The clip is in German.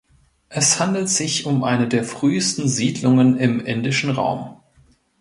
Es handelt sich um eine der frühesten Siedlungen im indischen Raum.